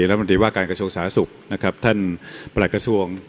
รัฐมนตรีว่าการกระทรวงสาธารณสุขนะครับท่านประหลักกระทรวง